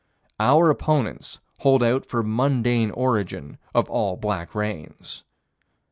Our opponents hold out for mundane origin of all black rains.